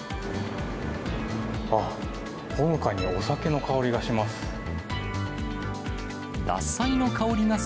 あっ、ほのかにお酒の香りがします。